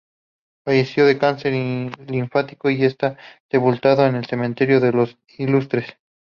Falleció de cáncer linfático y está sepultado en el Cementerio de Los Ilustres.